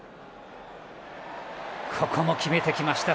ここも決めてきた。